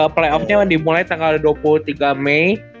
play offnya dimulai tanggal dua puluh tiga mei